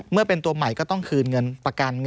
เมื่อเป็นตัวใหม่ก็ต้องคืนเงินประกัน